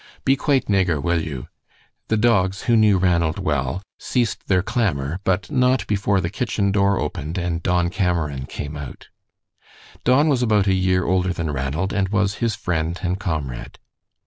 "Be quate, Nigger, will you!" The dogs, who knew Ranald well, ceased their clamor, but not before the kitchen door opened and Don Cameron came out. Don was about a year older than Ranald and was his friend and comrade.